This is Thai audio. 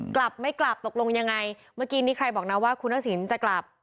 กลับไม่กลับตกลงยังไงเมื่อกี้นี้ใครบอกนะว่าคุณทักษิณจะกลับ